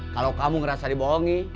kalau kamu ngerasa dibohongi